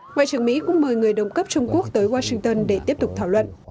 ngoại trưởng mỹ cũng mời người đồng cấp trung quốc tới washington để tiếp tục thảo luận